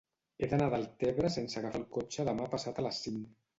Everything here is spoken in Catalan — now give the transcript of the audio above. He d'anar a Deltebre sense agafar el cotxe demà passat a les cinc.